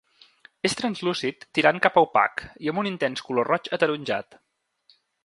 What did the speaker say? És translúcid tirant cap a opac i amb un intens color roig ataronjat.